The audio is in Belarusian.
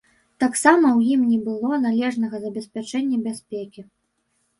Таксама ў ім не было належнага забеспячэння бяспекі.